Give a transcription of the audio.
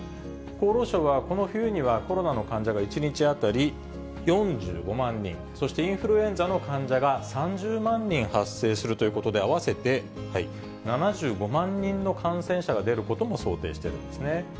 厚労省は、この冬にはコロナの患者が１日当たり４５万人、そしてインフルエンザの患者が３０万人発生するということで、合わせて７５万人の感染者が出ることも想定してるんですね。